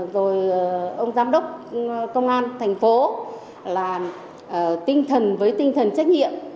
rồi ông giám đốc công an thành phố là tinh thần với tinh thần trách nhiệm